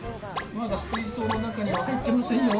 まだ水槽の中には入ってませんよ。